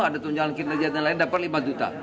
ada tunjangan kinerja dan lain dapat lima juta